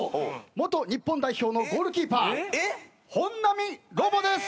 元日本代表のゴールキーパー本並ロボです。